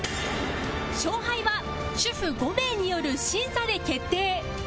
勝敗は主婦５名による審査で決定